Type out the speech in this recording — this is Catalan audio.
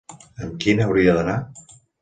Amb quin hauria d'anar?